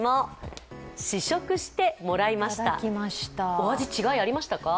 お味、違いありましたか？